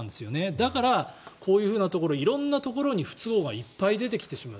だから、こういうふうなところ色んなところに不都合がいっぱい出てきてしまう。